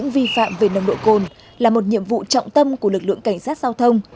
vi phạm về nồng độ cồn là một nhiệm vụ trọng tâm của lực lượng cảnh sát giao thông